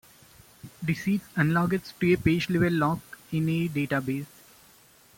This is analogous to a "page level lock" in a database.